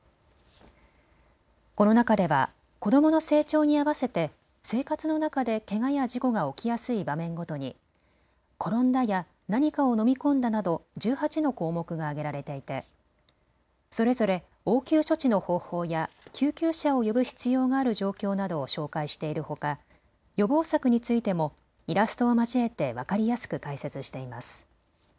この中では子どもの成長に合わせて生活の中でけがや事故が起きやすい場面ごとにころんだや何かを飲み込んだなど１８の項目が挙げられていてそれぞれ応急処置の方法や救急車を呼ぶ必要がある状況などを紹介しているほか、予防策についてもイラストを交えて分かりやすく解説しています。